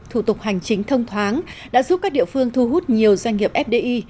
thủ tục hành chính thông thoáng đã giúp các địa phương thu hút nhiều doanh nghiệp fdi